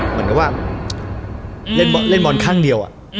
เหมือนกับว่าเล่นบอลข้างเดียว